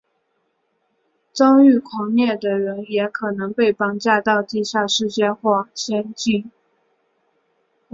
遭遇狂猎的人也可能被绑架到地下世界或者仙境。